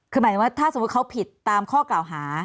คือหมายถึงว่าถ้าสมมุติเขาผิดตามข้อกล่าวหา